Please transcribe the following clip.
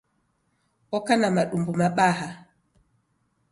Oka na madumbu mabaha.